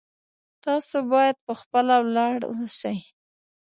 تاسو باید په خپله ولاړ اوسئ